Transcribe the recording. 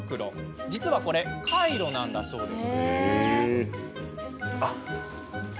実は、これカイロなんだそうです。